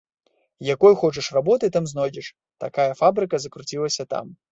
Якой хочаш работы там знойдзеш, такая фабрыка закруцілася там!